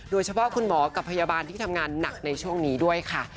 โดยเฉพาะคุณหมอกับพยาบาลที่ทำงานหนักในช่วงนี้ด้วยค่ะ